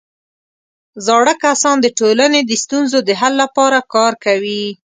زاړه کسان د ټولنې د ستونزو د حل لپاره کار کوي